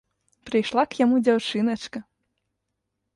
Прыйшла к яму дзяўчыначка!